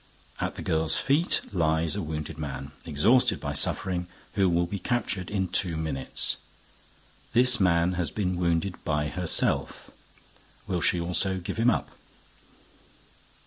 At the girl's feet lies a wounded man, exhausted by suffering, who will be captured in two minutes. This man has been wounded by herself. Will she also give him up?